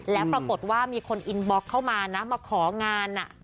แล้วปรากฏว่ามีคนอินบล็อกเข้ามานะมาของาน